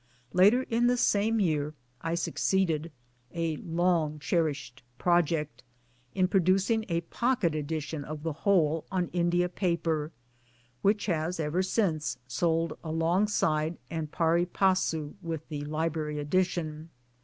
Later in the same year I succeeded (a long cherished project) in producing a pocket edition of the whole on India paper, which has ever since sold alongside and pan passu with the Library edition.